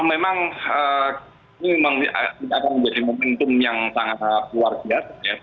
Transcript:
memang ini akan menjadi momentum yang sangat luar biasa ya